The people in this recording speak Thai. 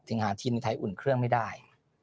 หาทีมไทยอุ่นเครื่องไม่ได้